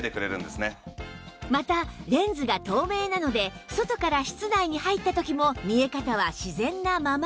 またレンズが透明なので外から室内に入った時も見え方は自然なまま